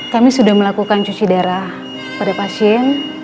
kami sudah melakukan cuci darah pada pasien